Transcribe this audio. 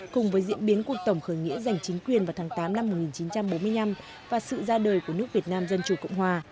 cùng với diễn biến cuộc tổng khởi nghĩa giành chính quyền vào tháng tám năm một nghìn chín trăm bốn mươi năm và sự ra đời của nước việt nam dân chủ cộng hòa